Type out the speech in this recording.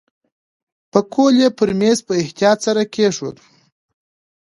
پکول یې پر میز په احتیاط سره کېښود.